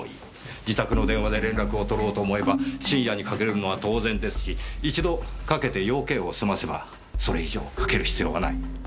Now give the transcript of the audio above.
自宅の電話で連絡を取ろうと思えば深夜にかけるのは当然ですし一度かけて用件を済ませばそれ以上かける必要がない。